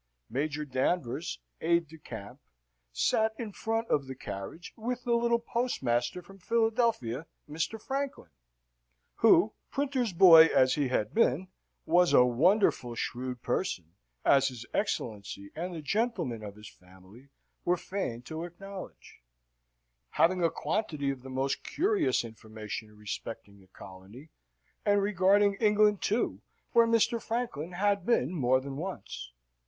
Major Danvers, aide de camp, sate in the front of the carriage with the little postmaster from Philadelphia, Mr. Franklin, who, printer's boy as he had been, was a wonderful shrewd person, as his Excellency and the gentlemen of his family were fain to acknowledge, having a quantity of the most curious information respecting the colony, and regarding England too, where Mr. Franklin had been more than once.